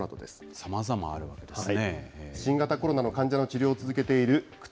さまざまあるわけですね。